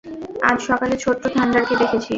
আজ সকালে ছোট্ট থান্ডারকে দেখেছি।